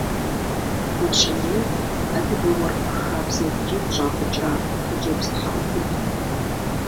Гуащэней адыгэ уэркъ хабзэ ткӀийм щӀапӀыкӀа хъыджэбз тхьэӀухудт.